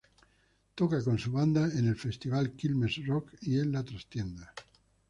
Toca con su banda en el Festival Quilmes Rock y en "La Trastienda".